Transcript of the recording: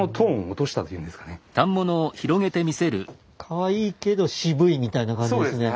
かわいいけど渋いみたいな感じですね。